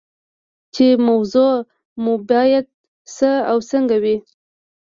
چې موضوع مو باید څه او څنګه وي.